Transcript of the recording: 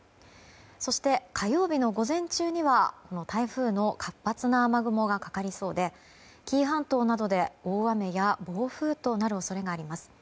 そして、火曜日の午前中には台風の活発な雨雲がかかりそうで紀伊半島などで大雨や暴風雨となる恐れがあります。